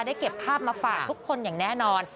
เก็บภาพมาฝากทุกคนอย่างแน่นอน